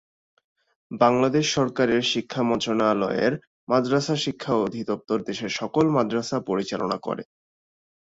বাংলাদেশ সরকারের শিক্ষা মন্ত্রণালয়ের মাদরাসা শিক্ষা অধিদপ্তর দেশের সকল মাদ্রাসা পরিচালনা করে।